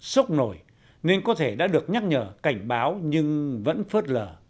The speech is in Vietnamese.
sốc nổi nên có thể đã được nhắc nhở cảnh báo nhưng vẫn phớt lờ